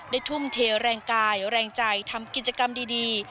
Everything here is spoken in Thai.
ทุ่มเทแรงกายแรงใจทำกิจกรรมดี